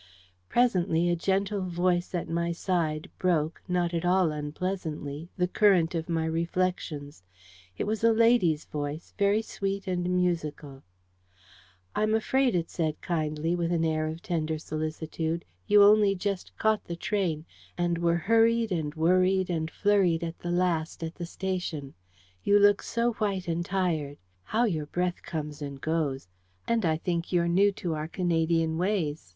Presently a gentle voice at my side broke, not at all unpleasantly, the current of my reflections. It was a lady's voice, very sweet and musical. "I'm afraid," it said kindly, with an air of tender solicitude, "you only just caught the train, and were hurried and worried and flurried at the last at the station. You look so white and tired. How your breath comes and goes! And I think you're new to our Canadian ways.